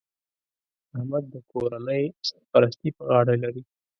احمد د کورنۍ سرپرستي په غاړه لري